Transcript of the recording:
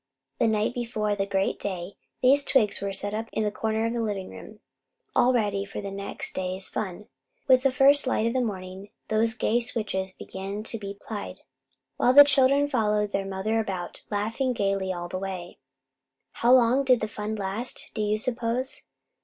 The night before the great day, these twigs were set up in a corner of the living room, all ready for the next day's fun. With the first light of morning those gay switches began to be plied, while the children followed their mother about, laughing gaily all the while. How long did the fun last, do you suppose?